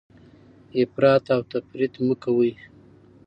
افراط او تفریط مه کوئ.